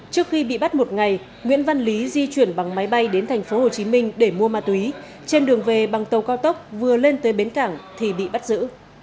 trước khi bị bắt một ngày nguyễn văn lý di chuyển bằng máy bay đến thành phố hồ chí minh để mua ma túy trên đường về bằng tàu cao tốc vừa lên tới bến cảng thì bị bắt giữ